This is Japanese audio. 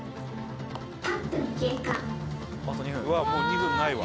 うわっもう２分ないわ。